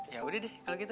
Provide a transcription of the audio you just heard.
ya udah deh kalau gitu